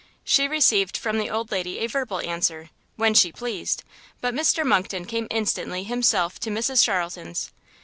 She received from the old lady a verbal answer, when she pleased, but Mr Monckton came instantly himself to Mrs Charlton's.